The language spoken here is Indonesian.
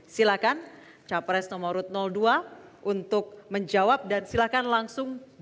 silakan capres dua untuk menjawab dan silakan langsung ditanyakan